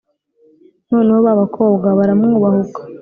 noneho ba bakobwa baramwubahuka